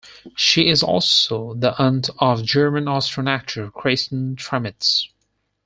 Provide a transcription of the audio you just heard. She is also the aunt of German-Austrian actor Christian Tramitz.